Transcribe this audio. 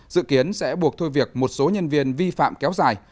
dự kiến sẽ buộc thôi việc một số nhân viên vi phạm kéo dài